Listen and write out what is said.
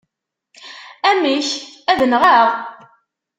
Amek! Ad nɣeɣ?